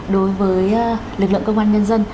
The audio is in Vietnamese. đối với lực lượng công an nhân dân